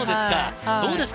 どうですか？